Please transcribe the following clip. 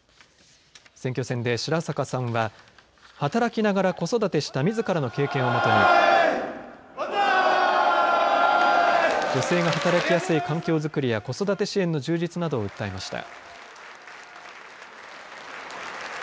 選挙戦で白坂さんは働きながら子育てしたみずからの経験をもとに女性が働きやすい環境づくりや子育て支援の充実などを訴えました。